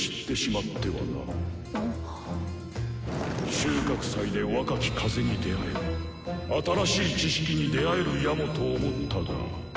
収穫祭で若き風に出会えば新しい知識に出会えるやもと思ったが。